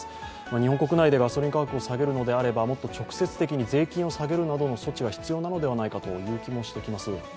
日本国内でガソリン価格を下げるのであれば、もっと直接的に税金を下げるなどの措置が必要なのではないかという気もしてきます。